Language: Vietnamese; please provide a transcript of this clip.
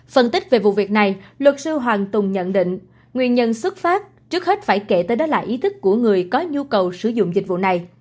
phân tích về vụ việc này luật sư hoàng tùng nhận định nguyên nhân xuất phát trước hết phải kể tới đó là ý thức của người có nhu cầu sử dụng dịch vụ này